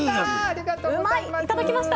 ありがとうございます。